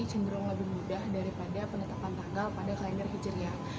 cenderung lebih mudah daripada penetapan tanggal pada kalender hijriah